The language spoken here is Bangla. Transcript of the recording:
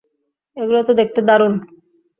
এগুলো তো দেখতে দারুণ!